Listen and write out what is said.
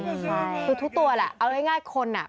คือทุกตัวแหละเอาง่ายคนอ่ะ